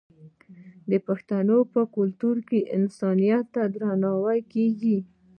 د پښتنو په کلتور کې انسانیت ته درناوی کیږي.